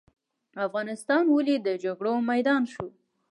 افغانستان ولې د جګړو میدان شو؟